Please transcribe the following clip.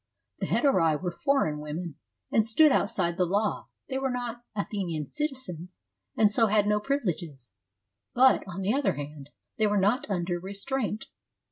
The Hetairai were foreign women, and stood outside the law : they were not Athenian citizens, and so had no privileges ; but, on the other hand, they were not under restraint.